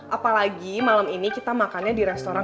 apalagi malam ini kita makannya di restoran